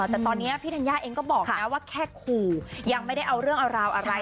แต่ตอนนี้พี่ธัญญาเองก็บอกนะว่าแค่ขู่ยังไม่ได้เอาเรื่องเอาราวอะไร